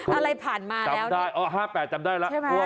อะไรผ่านมาห้าแปดจำได้แล้ว